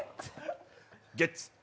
ゲッツ！